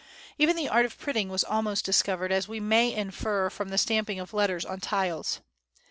Even the art of printing was almost discovered, as we may infer from the stamping of letters on tiles.